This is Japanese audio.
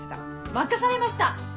任されました！